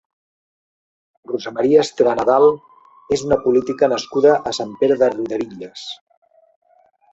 Rosa Maria Esteve Nadal és una política nascuda a Sant Pere de Riudebitlles.